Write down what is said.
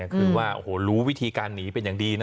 คือว่ารู้วิธีการหนีเป็นอย่างดีนะ